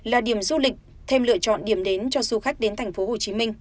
là điểm du lịch thêm lựa chọn điểm đến cho du khách đến tp hcm